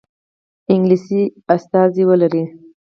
انګلیس استازی ولري.